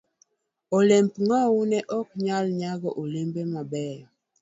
D. Olemb ng'owo ne ok nyal nyago olemo mabeyo.